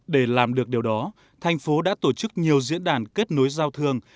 để làm được điều đó thành phố đã tổ chức nhiều diễn đàn kết nối giao thương